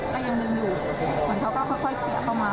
ก็ยังดึงอยู่เหมือนเขาก็ค่อยเสียเข้ามา